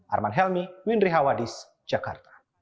arman helmi windri hawadis jakarta